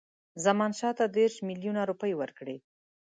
زمانشاه ته دېرش میلیونه روپۍ ورکړي.